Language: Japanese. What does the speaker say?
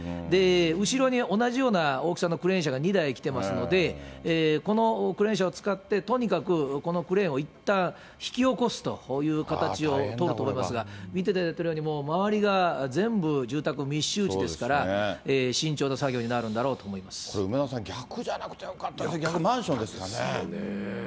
後ろに同じような大きさのクレーン車が２台来てますので、このクレーン車を使って、とにかくこのクレーンをいったんひきおこすという形を取ると思いますが、見ていただいてるように、周りが全部住宅密集地ですから、慎重な作業になるんだろうと思いこれ、梅沢さん、逆じゃなくてよかった、マンションですからね。